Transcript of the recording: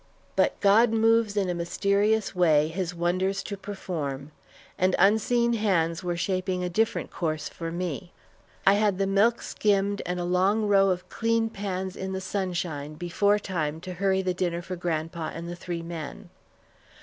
But God moves in a mysterious way His wonders to perform, and unseen hands were shaping a different course for me! I had the milk skimmed, and a long row of clean pans in the sunshine before time to hurry the dinner for grandpa and the three men.